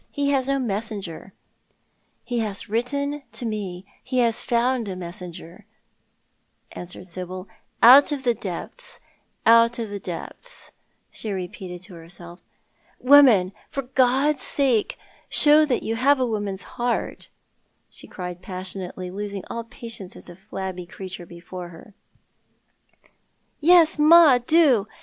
He has no messenger," " He has written to me ; he has found a messenger," answered Sibyl, " out of the depths — out of the depths," she repeated to herself. "Woman, for God's sake, show that you have a woman's heart," she cried passionately, losing all patience with the flabby creature before her. " Yes, ma, do.